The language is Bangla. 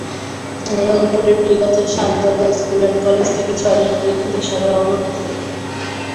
রংপুরের পীরগাছার সাত দরগা স্কুল অ্যান্ড কলেজ থেকে ছয়জন পরীক্ষা দিয়ে সবাই অনুত্তীর্ণ।